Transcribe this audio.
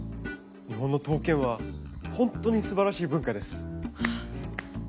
日本の刀剣はホントに素晴らしい文化です。